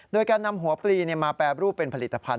โดยการนำหัวปลีมาแปรรูปเป็นผลิตภัณฑ